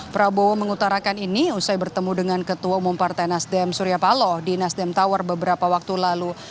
prabowo mengutarakan ini usai bertemu dengan ketua umum partai nasdem surya paloh di nasdem tower beberapa waktu lalu